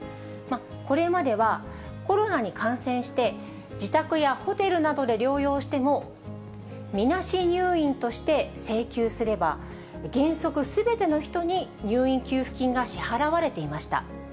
これまでは、コロナに感染して、自宅やホテルなどで療養しても、みなし入院として請求すれば、原則、すべての人に入院給付金が支払われていました。